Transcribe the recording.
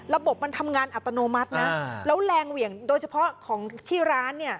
ระบบมันทำงานอัตโนมัตินะแล้วแรงเหวี่ยงโดยเฉพาะของที่ร้านเนี่ย